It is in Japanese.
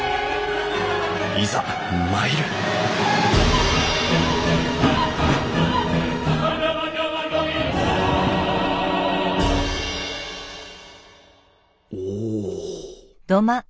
いざ参るお。